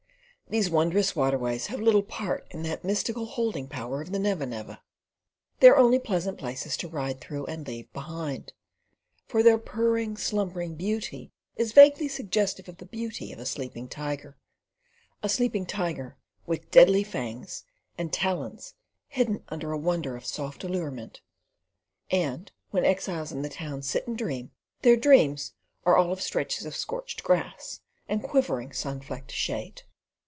These wondrous waterways have little part in that mystical holding power of the Never Never. They are only pleasant places to ride through and leave behind; for their purring slumberous beauty is vaguely suggestive of the beauty of a sleeping tiger: a sleeping tiger with deadly fangs and talons hidden under a wonder of soft allurement; and when exiles in the towns sit and dream their dreams are all of stretches of scorched grass and quivering sun flecked shade.